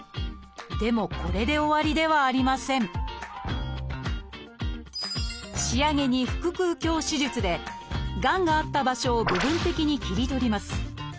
でもこれで終わりではありません仕上げに腹腔鏡手術でがんがあった場所を部分的に切り取ります。